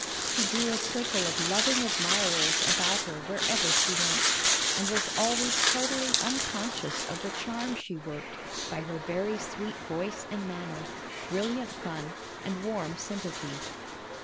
She drew a circle of loving admirers about her wherever she went, and was always totally unconscious of the charm she worked by her very sweet voice and manner, bril liant fun, and warm sympathy.